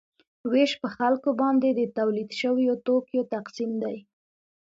ویش په خلکو باندې د تولید شویو توکو تقسیم دی.